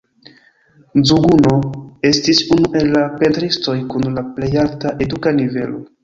Mzuguno estis unu el la pentristoj kun la plej alta eduka nivelo.